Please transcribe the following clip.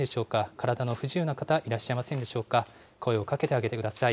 体の不自由な方いらっしゃいませんでしょうか、声をかけてあげてください。